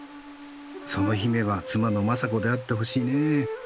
その姫は妻の政子であってほしいね。